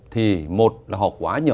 thì một là họ quá nhỏ